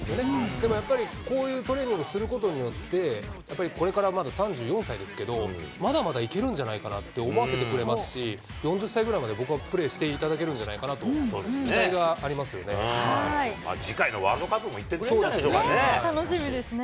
でもやっぱり、こういうトレーニングをすることによって、やっぱりこれから３４歳ですけれども、まだまだいけるんじゃないかなって思わせてくれますし、４０歳ぐらいまで僕はプレーしていただけるんじゃないかと期待が次回のワールドカップも行っ楽しみですね。